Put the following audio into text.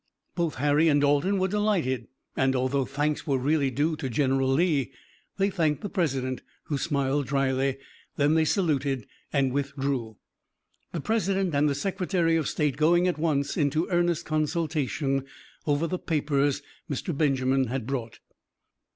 Both Harry and Dalton were delighted, and, although thanks were really due to General Lee, they thanked the President, who smiled dryly. Then they saluted and withdrew, the President and the Secretary of State going at once into earnest consultation over the papers Mr. Benjamin had brought.